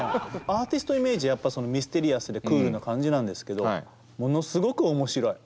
アーティストイメージはやっぱミステリアスでクールな感じなんですけどものすごく面白い。